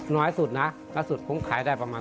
น้อยสุดประมาณสุดต้องขายได้ประมาณ